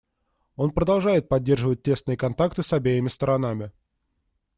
Он продолжает поддерживать тесные контакты с обеими сторонами.